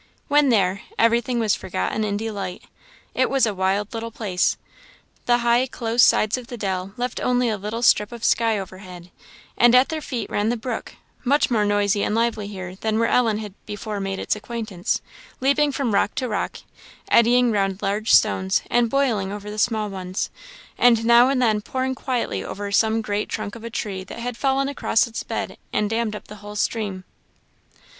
When there, everything was forgotten in delight. It was a wild little place. The high, close sides of the dell left only a little strip of sky overhead; and at their feet ran the brook, much more noisy and lively here than where Ellen had before made its acquaintance; leaping from rock to rock, eddying round large stones, and boiling over the small ones, and now and then pouring quietly over some great trunk of a tree that had fallen across its bed and dammed up the whole stream.